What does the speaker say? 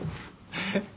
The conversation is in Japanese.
えっ？